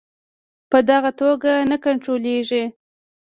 په دغه توګه نه کنټرولیږي.